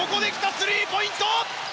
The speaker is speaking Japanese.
スリーポイント！